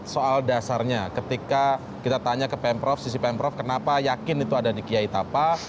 soal dasarnya ketika kita tanya ke pm prof sisi pm prof kenapa yakin itu ada di kiai tapa